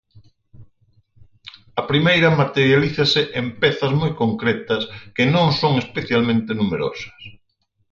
A primeira materializase en pezas moi concretas, que non son especialmente numerosas.